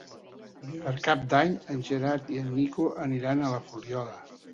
Per Cap d'Any en Gerard i en Nico aniran a la Fuliola.